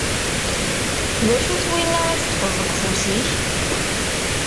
D acu-t winna i teṭṭfeḍ deg ufus-ik?